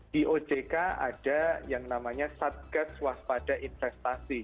di ojk ada yang namanya satgas waspada investasi